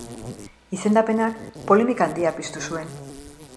Izendapenak polemika handia piztu zuen.